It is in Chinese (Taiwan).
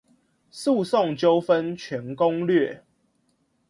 訴訟糾紛全攻略